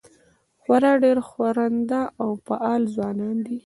خورا ډېر ښورنده او فعال ځوان دی.